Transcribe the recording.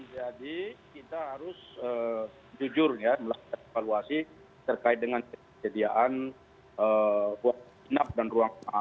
jadi kita harus jujur ya melakukan evaluasi terkait dengan kebijakan ruang sinap dan ruang keamanan